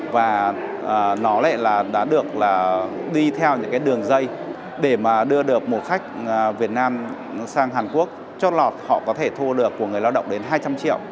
và nó lại là đã được là đi theo những cái đường dây để mà đưa được một khách việt nam sang hàn quốc trót lọt họ có thể thu được của người lao động đến hai trăm linh triệu